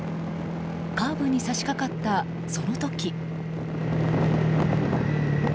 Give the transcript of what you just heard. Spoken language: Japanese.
カーブに差し掛かったその時。